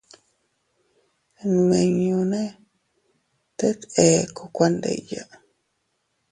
Nmiñune teet eku kuandiya.